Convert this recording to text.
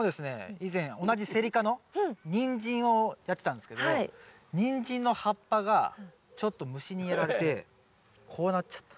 以前同じセリ科のニンジンをやってたんですけどニンジンの葉っぱがちょっと虫にやられてこうなっちゃった。